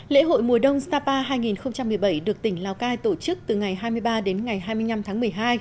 lễ hội mùa đông sapa hai nghìn một mươi bảy được tỉnh lào cai tổ chức từ ngày hai mươi ba đến ngày hai mươi năm tháng một mươi hai